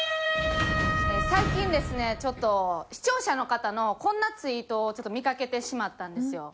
最近ですねちょっと視聴者の方のこんなツイートをちょっと見かけてしまったんですよ。